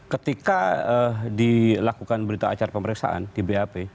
ketika dilakukan berita acara pemeriksaan di bap